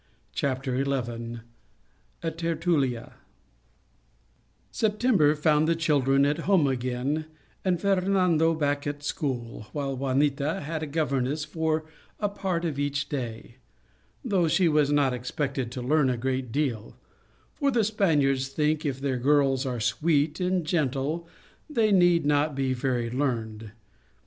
CHAPTER XL A TERTULIA September found the children at home again, and Fernando back at school, while Juanita had a governess for a part of each day, though she was not expected to learn a great deal ; for the Spaniards think if their girls are sweet and gentle they need not be very learned.